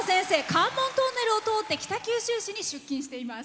関門トンネルを通って北九州市に出勤しています。